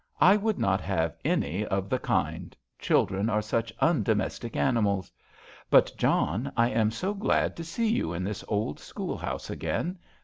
I would not have any of the kind ; children are such un domestic animals. But, John, I am so glad to see you in this old schoolhouse again.